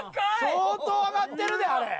相当上がってるであれ！